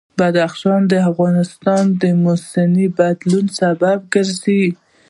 بدخشان د افغانستان د موسم د بدلون سبب کېږي.